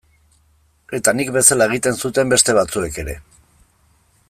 Eta nik bezala egiten zuten beste batzuek ere.